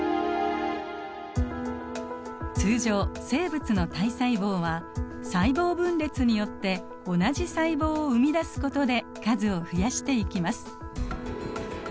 通常生物の体細胞は細胞分裂によって同じ細胞を生み出すことで数を増やしていきます。